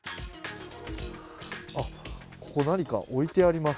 あっ、ここ何か置いてあります。